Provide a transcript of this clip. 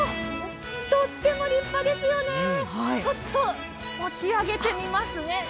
とっても立派ですよねちょっと持ち上げてみますね。